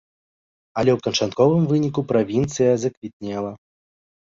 Але ў канчатковым выніку правінцыя заквітнела.